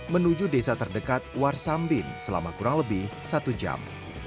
menuju desa terdekat warsambin selama kurang lebih satu jam